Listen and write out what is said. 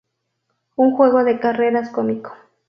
Un juego de carreras cómico.